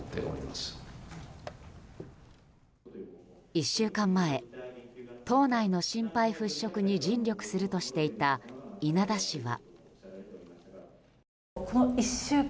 １週間前、党内の心配払拭に尽力するとしていた稲田氏は。